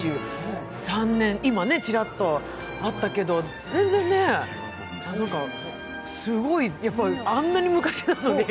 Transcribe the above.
今、ちらっとあったけど全然、すごい、あんなに昔なのに。